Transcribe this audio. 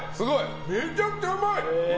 めちゃくちゃうまい！